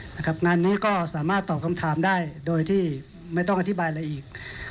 งานนี้ก็สามารถตอบคำถามได้โดยที่ไม่ต้องอธิบายอะไรอีก